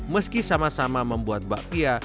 meski sama sama membuat bakpia